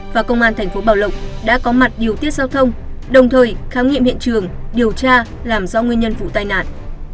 và công an tp bảo lộc đã có mặt điều tiết giao thông đồng thời khám nghiệm hiện trường điều tra làm do nguyên nhân vụ tai nạn